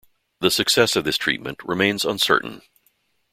The success of this treatment remains uncertain.